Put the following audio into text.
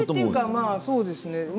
まあそうですね。